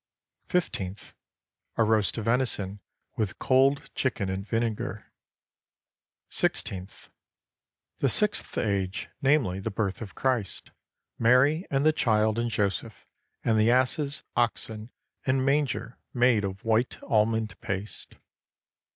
Fifteenth A roast of venison with cold chicken in vinegar. 282 A FUNERAL MENU Sixteenth The sixth age, namely, the birth of Christ. Mary and the Child and Joseph and the asses, oxen, and manger made of white almond paste.